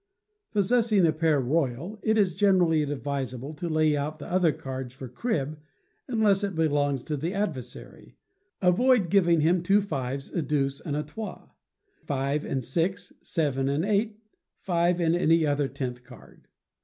Possessing a pair royal, it is generally advisable to lay out the other cards for crib, unless it belongs to the adversary. Avoid giving him two fives, a deuce and a trois, five and six, seven and eight, five and any other tenth card.